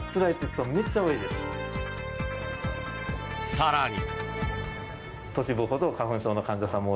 更に。